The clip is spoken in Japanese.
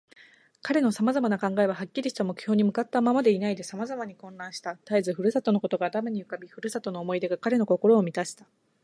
彼のさまざまな考えは、はっきりした目標に向ったままでいないで、さまざまに混乱した。たえず故郷のことが頭に浮かび、故郷の思い出が彼の心をみたした。